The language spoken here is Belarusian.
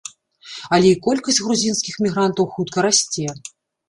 Але і колькасць грузінскіх мігрантаў хутка расце.